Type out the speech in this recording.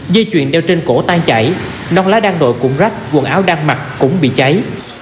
dây chuyền đeo trên cổ tan chảy non lá đan đội cũng rách quần áo đan mặt cũng bị cháy